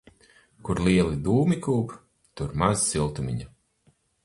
Kur lieli dūmi kūp, tur maz siltumiņa.